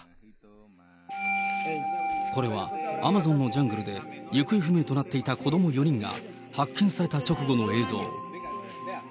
これはアマゾンのジャングルで、行方不明となっていた子ども４人が発見された直後の映像。